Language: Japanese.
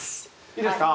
いいですか？